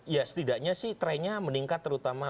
ya setidaknya sih trennya meningkat terutama